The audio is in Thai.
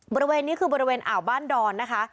บริเวณนี้คือบริเวณอ่าวบ้านดอนนะคะ